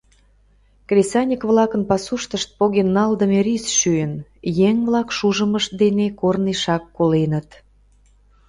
Кресаньык-влакын пасуштышт поген налдыме рис шӱйын, еҥ-влак шужымышт дене корнешак коленыт.